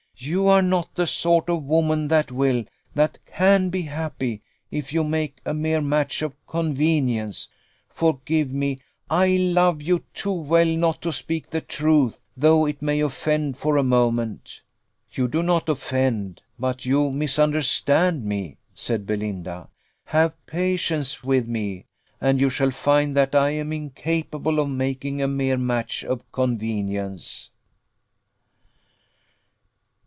you are not the sort of woman that will, that can be happy, if you make a mere match of convenience. Forgive me I love you too well not to speak the truth, though it may offend for a moment." "You do not offend, but you misunderstand me," said Belinda. "Have patience with me, and you shall find that I am incapable of making a mere match of convenience."